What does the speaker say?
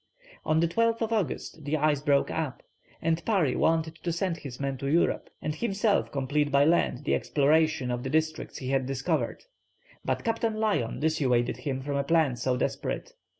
On the 12th August the ice broke up, and Parry wanted to send his men to Europe, and himself complete by land the exploration of the districts he had discovered, but Captain Lyon dissuaded him from a plan so desperate.